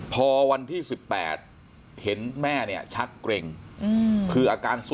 พอวันที่๑๘เห็นแม่เนี่ยชัดเกร็งคืออาการซุดเหมือนที่ลูกสาวบอก